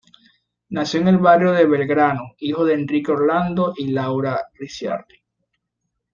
Nació en el barrio de Belgrano hijo de Enrique Orlando y Laura Ricciardi.